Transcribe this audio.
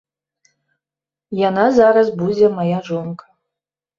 Яна зараз будзе мая жонка.